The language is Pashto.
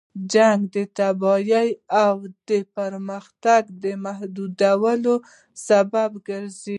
جنګ د تباهۍ او د پرمختګ محدودولو سبب ګرځي.